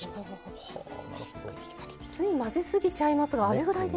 つい混ぜ過ぎちゃいますがあれぐらいで。